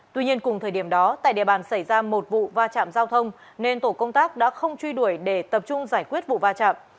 tuy nhiên cùng thời điểm đó tại địa bàn xảy ra một vụ va chạm giao thông nên tổ công tác đã không truy đuổi để tập trung giải quyết vụ va chạm